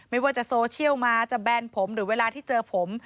ไม่ว่าจะโซเชียลมาจะแบนผมหรือเวลาที่เจอผม